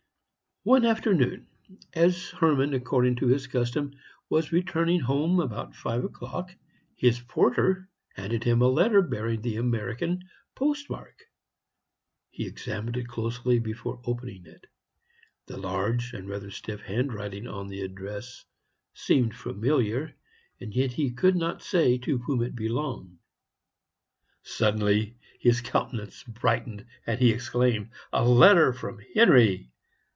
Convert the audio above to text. One afternoon, as Hermann, according to his custom, was returning home about five o'clock, his porter handed him a letter bearing the American post mark. He examined it closely before opening it. The large and rather stiff handwriting on the address seemed familiar, and yet he could not say to whom it belonged. Suddenly his countenance brightened, and he exclaimed, "A letter from Henry!"